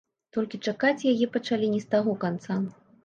Толькі чакаць яе пачалі не з таго канца.